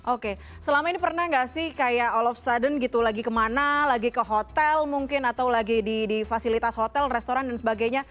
oke selama ini pernah nggak sih kayak all of sudden gitu lagi kemana lagi ke hotel mungkin atau lagi di fasilitas hotel restoran dan sebagainya